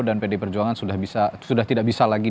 dan pdi perjuangan sudah tidak bisa lagi